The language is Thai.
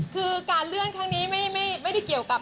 คือการเลื่อนครั้งนี้ไม่ได้เกี่ยวกับ